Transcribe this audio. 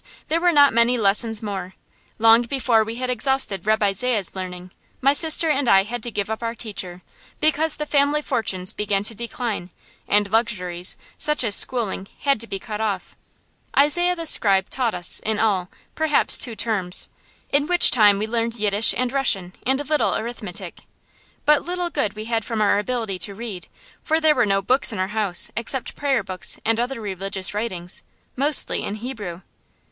there were not many lessons more. Long before we had exhausted Reb' Isaiah's learning, my sister and I had to give up our teacher, because the family fortunes began to decline, and luxuries, such as schooling, had to be cut off. Isaiah the Scribe taught us, in all, perhaps two terms, in which time we learned Yiddish and Russian, and a little arithmetic. But little good we had from our ability to read, for there were no books in our house except prayer books and other religious writings, mostly in Hebrew.